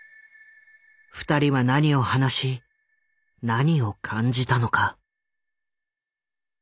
２人は何を話し何を感じたのか？